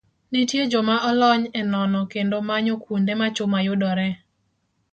Nitie joma olony e nono kendo manyo kuonde ma chuma yudoree.